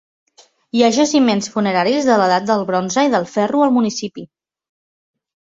Hi ha jaciments funeraris de l'edat del bronze i del ferro al municipi.